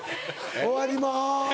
終わります。